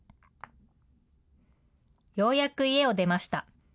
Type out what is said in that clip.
ようやく家を出ました。